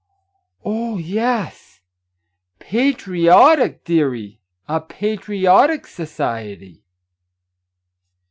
" Oh, yes ! Patriotic^ dearie ; a patriotic society.